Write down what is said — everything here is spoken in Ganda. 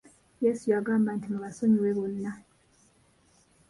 Yesu yagamba nti mubasonyiwe bonna.